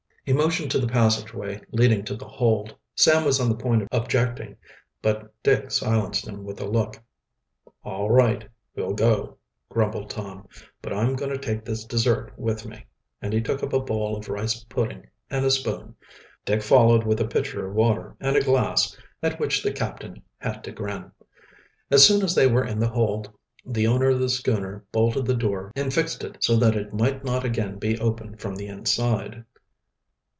He motioned to the passageway leading to the hold. Sam was on the point of objecting, but Dick silenced him with a look. "All right, we'll go," grumbled Tom. "But I'm going to take the dessert with me," and he took up a bowl of rice pudding and a spoon. Dick followed with a pitcher of water and a glass, at which the captain had to grin. As soon as they were in the hold the owner of the schooner bolted the door and fixed it so that it might not again be opened from the inside.